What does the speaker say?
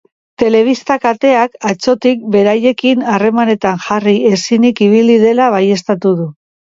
Telebista kateak, atzotik beraiekin harremanetan jarri ezinik ibili dela baieztatu du.